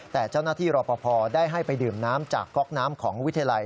แต่เจ้าหน้าที่รอปภได้ให้ไปดื่มน้ำจากก๊อกน้ำของวิทยาลัย